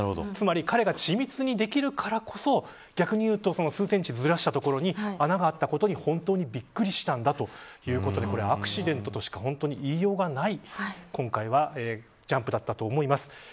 つまり彼が緻密にできるからこそ逆にいうと数センチずらした所に穴があったことに本当にびっくりしたんだということでアクシデントとしかいいようがない、今回はジャンプだったと思います。